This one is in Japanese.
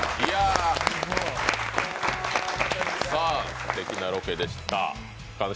すてきなロケでした。